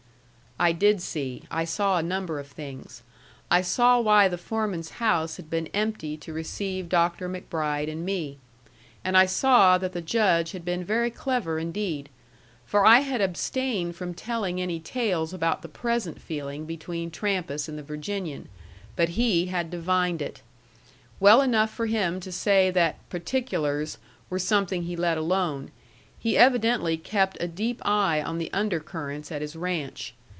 I did see. I saw a number of things. I saw why the foreman's house had been empty to receive Dr. MacBride and me. And I saw that the Judge had been very clever indeed. For I had abstained from telling any tales about the present feeling between Trampas and the Virginian; but he had divined it. Well enough for him to say that "particulars" were something he let alone; he evidently kept a deep eye on the undercurrents at his ranch.